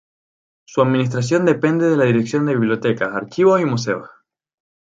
Su administración depende de la Dirección de Bibliotecas, Archivos y Museos.